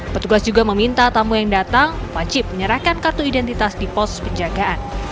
petugas juga meminta tamu yang datang wajib menyerahkan kartu identitas di pos penjagaan